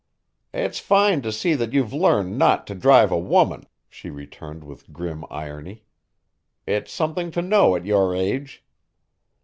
"It's fine to see that you've learned not to drive a woman," she returned with grim irony. "It's something to know at your age."